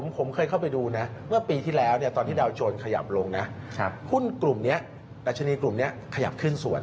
ผมเคยเข้าไปดูนะเมื่อปีที่แล้วตอนที่ดาวโจรขยับลงนะหุ้นกลุ่มนี้ดัชนีกลุ่มนี้ขยับขึ้นสวน